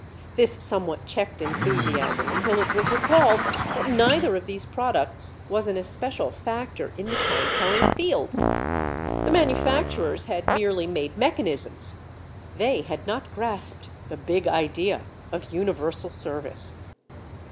This somewhat checked enthusiasm until it was recalled that neither of these products was an especial factor in the time telling field. The manufacturers had merely made mechanisms; they had not grasped the Big Idea of universal service.